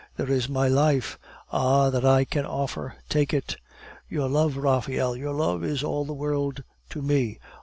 There is my life ah, that I can offer, take it." "Your love, Raphael, your love is all the world to me.